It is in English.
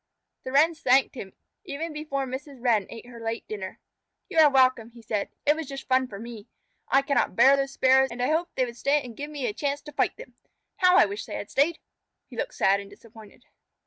The Wrens thanked him, even before Mrs. Wren ate her late dinner. "You are welcome," he said. "It was just fun for me. I cannot bear those Sparrows, and I hoped they would stay and give me a chance to fight them. How I wish they had stayed!" He looked sad and disappointed.